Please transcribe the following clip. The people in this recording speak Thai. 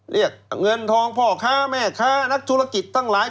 เรียกเงินทองพ่อค้าแม่ค้านักธุรกิจทั้งหลาย